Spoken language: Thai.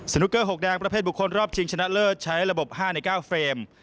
นุกเกอร์๖แดงประเภทบุคคลรอบชิงชนะเลิศใช้ระบบ๕ใน๙เฟรม